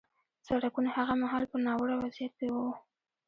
سړکونه هغه مهال په ناوړه وضعیت کې وو